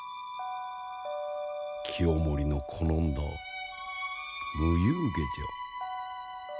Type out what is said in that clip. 清盛の好んだ無憂華じゃ。